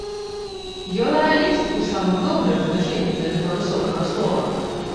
Ён рэаліст у самым добрым значэнні гэтага высокага слова.